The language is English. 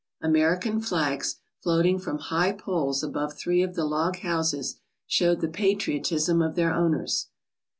American flags, floating from high poles above three of the log houses, showed the patriotism of their owners.